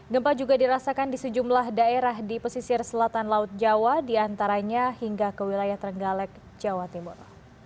gempa juga dirasakan di sejumlah daerah di pesisir selatan laut jawa diantaranya hingga ke wilayah trenggalek jawa timur